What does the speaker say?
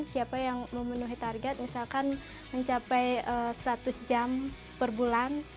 siapa yang memenuhi target misalkan mencapai seratus jam per bulan